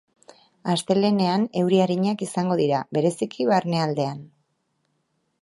Astelehenean, euri arinak izango dira, bereziki barnealdean.